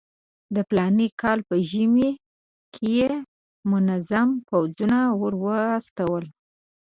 د فلاني کال په ژمي کې یې منظم پوځونه ورواستول.